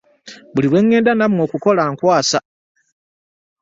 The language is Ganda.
Buli lwe ŋŋenda nammwe okukola nkwasa.